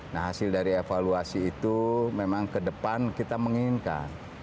nah hasil dari evaluasi itu memang kedepan kita menginginkan